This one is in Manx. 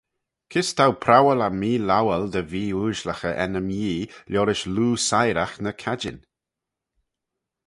Kys t'ou prowal eh mee-lowal dy vee-ooashlaghey ennym Yee liorish loo siyragh ny cadjin?